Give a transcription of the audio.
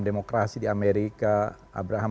demokrasi di amerika abraham